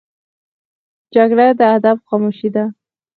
جګړه د ادب خاموشي ده